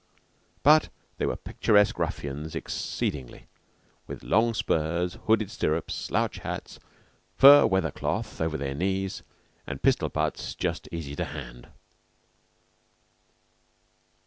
But they were picturesque ruffians exceedingly, with long spurs, hooded stirrups, slouch hats, fur weather cloth over their knees, and pistol butts just easy to hand.